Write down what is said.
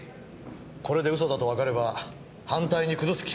これで嘘だとわかれば反対に崩すきっかけになる。